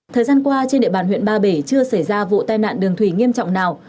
thời gian qua trên địa bàn huyện ba bể chưa xảy ra vụ tai nạn đường thủy nghiêm trọng nào